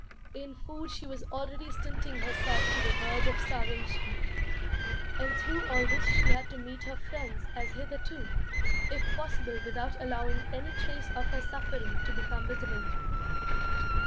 In food she was already stinting herself to the verge of starvation. And through all this she had to meet her friends as hitherto, if possible without allowing any trace of her suffering to become visible.